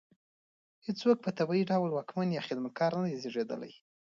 هېڅوک په طبیعي ډول واکمن یا خدمتګار نه دی زېږېدلی.